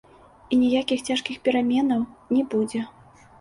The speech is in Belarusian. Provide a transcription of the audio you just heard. І ніякіх цяжкіх пераменаў не будзе.